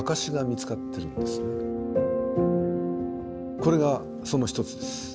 これがその一つです。